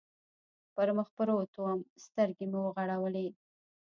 پر مخ پروت ووم، سترګې مې و غړولې.